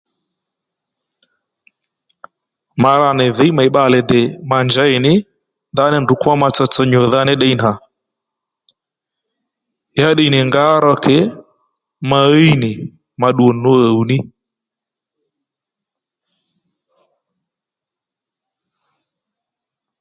Ma ra nì dhǐy mèy bbalè dè ma njěy ní ndaní ndrǔ kwó ma tsotso nyùdha ní ddiy nà ya ddiy nì ngǎ ro ke ma híy nì ma ddu nì nú huw ní